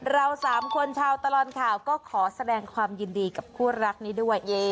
เรา๓คนชาวตลอดข่าวก็ขอแสดงความยินดีกับคู่รักนี้ด้วย